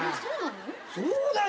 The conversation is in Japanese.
そうなの？